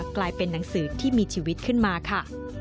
กลายเป็นหนังสือที่มีชีวิตขึ้นมาค่ะ